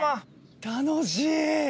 楽しい！